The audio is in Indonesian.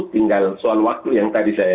tinggal soal waktu yang tadi saya